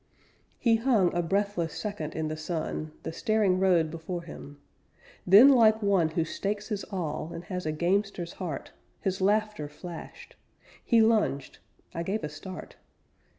He hung a breathless second in the sun, The staring road before him. Then, like one Who stakes his all, and has a gamester's heart, His laughter flashed. He lunged I gave a start.